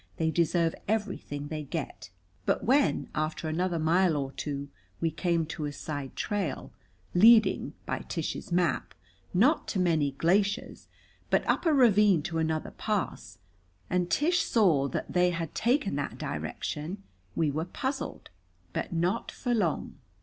They deserve everything they get." But when, after another mile or two, we came to a side trail, leading, by Tish's map, not to Many Glaciers, but up a ravine to another pass, and Tish saw that they had taken that direction, we were puzzled. But not for long.